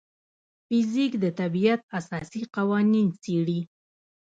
فزیک د طبیعت اساسي قوانین څېړي.